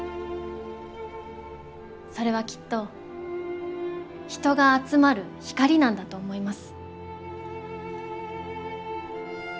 それはきっと人が集まる光なんだと思います。